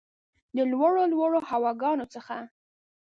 د لوړو ، لوړو هواګانو څخه